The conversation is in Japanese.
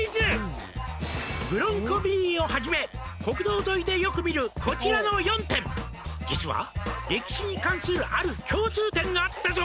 「ブロンコビリーをはじめ国道沿いでよく見るこちらの４店」「実は歴史に関するある共通点があったぞ」